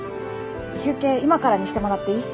休憩今からにしてもらっていい？